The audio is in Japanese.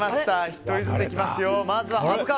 １人ずついきますよ。